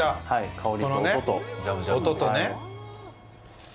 香りと、音とね。